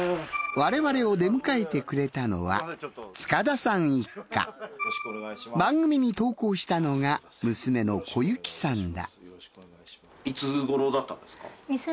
我々を出迎えてくれたのは番組に投稿したのが娘の小雪さんだ。